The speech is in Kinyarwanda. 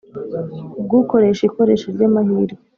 ubw ukoresha ikoresha ry amahirwe